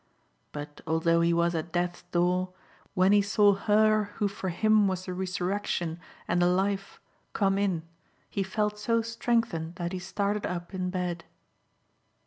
But although he was at death's door, when he saw her who for him was the resurrection and the life come in, he felt so strengthened that he started up in bed.